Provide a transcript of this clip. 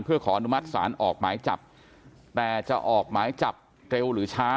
เพื่อขออนุมัติศาลออกหมายจับแต่จะออกหมายจับเร็วหรือช้า